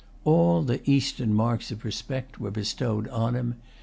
All the Eastern marks of respect were bestowed on him.